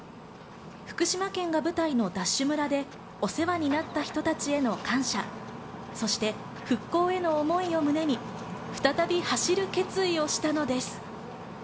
福島県が舞台のＤＡＳＨ村でお世話になった人たちへの感謝、そして復興への想いを胸に、再び走る決意をしたのです。